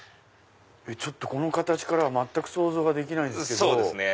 ちょっとこの形からは全く想像ができないですけど。